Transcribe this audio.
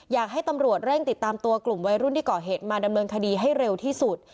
อยากให้ตำรวจเร่งติดตามตัวกลุ่มวัยรุ่นที่ก่อเหตุมาดำเนินคดีให้เร็วที่สุด